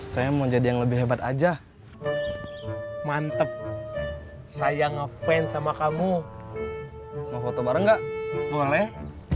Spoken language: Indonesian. saya mau jadi yang lebih hebat aja mantep saya ngefans sama kamu mau foto bareng gak boleh